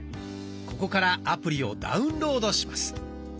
ここからアプリをダウンロードします。